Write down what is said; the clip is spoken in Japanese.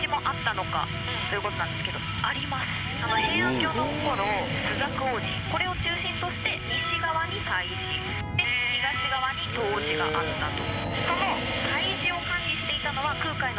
平安京の頃朱雀大路これを中心として西側に西寺で東側に東寺があったと。